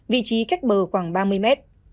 vị trí cách bờ khoảng ba mươi mét